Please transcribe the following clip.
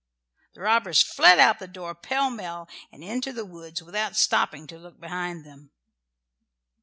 The robbers fled out of the door pell mell and into the woods without stopping to look behind them.